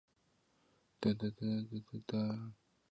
黎培銮家族对近现代文化科技事业发挥了深远的影响。